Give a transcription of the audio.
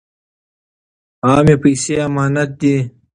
عامې پیسې امانت دي.